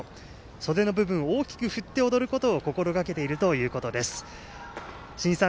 袖の部分を大きく振って踊ることを心がけているということです。